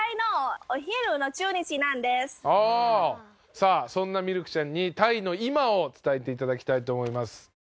さあそんなミルクちゃんにタイの今を伝えて頂きたいと思います。